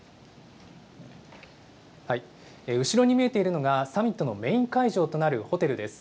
後ろに見えているのが、サミットのメイン会場となるホテルです。